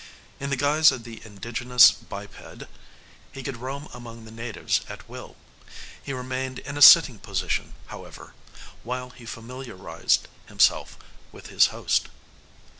In the guise of the indigenous biped he could roam among the natives at will. He remained in a sitting position, however, while he familiarized himself with his host.